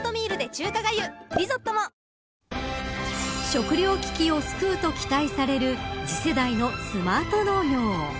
食料危機を救うと期待される次世代のスマート農業。